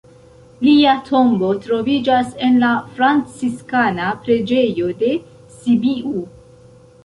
Lia tombo troviĝas en la Franciskana preĝejo de Sibiu.